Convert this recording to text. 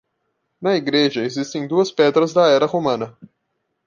Na igreja existem duas pedras da era romana.